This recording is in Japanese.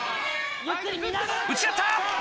打ち合った！